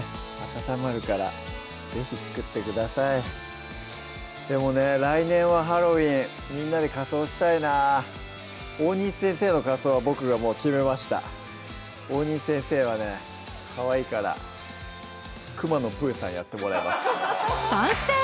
温まるから是非作ってくださいでもね来年はハロウィーンみんなで仮装したいなぁ大西先生の仮装は僕がもう決めました大西先生はねかわいいから賛成！